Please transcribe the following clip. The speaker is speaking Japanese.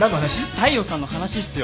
大陽さんの話っすよ！